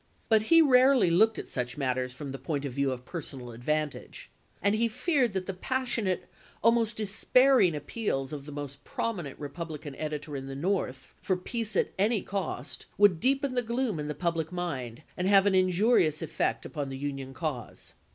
But he rarely looked at such matters from the point of view of personal advantage, and he feared that the passionate, almost despairing appeals of the most prominent Republican editor in the North for peace at any cost would deepen the gloom in the public mind and have an injurious effect upon the Union cause.